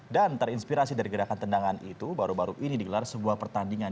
dan terinspirasi dari gerakan tendangan itu baru baru ini dikelar sebuah pertandingan